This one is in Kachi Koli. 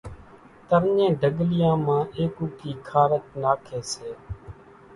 ترڃين ڍڳليان مان ايڪوڪي خارچ ناکي سي۔